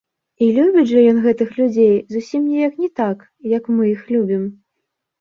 І любіць жа ён гэтых людзей зусім неяк не так, як мы іх любім.